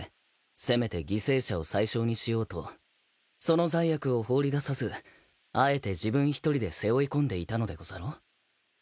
せめて犠牲者を最少にしようとその罪悪を放り出さずあえて自分一人で背負い込んでいたのでござろう？